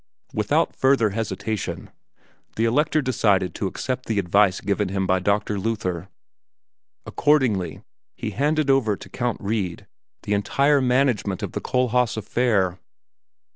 Without further hesitation the Elector decided to accept the advice given him by Dr. Luther; accordingly he handed over to Count Wrede the entire management of the Kohlhaas affair.